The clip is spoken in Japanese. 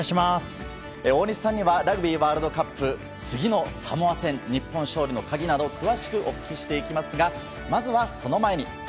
大西さんにはラグビーワールドカップ、次のサモア戦、日本勝利の鍵など、詳しくお聞きしていきますが、まずはその前に。